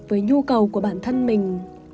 với nhu cầu của bản thân mình